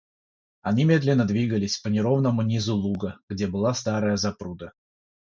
Они медленно двигались по неровному низу луга, где была старая запруда.